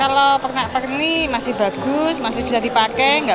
kalau pernak pernik masih bagus masih bisa dipakai gak beli lalu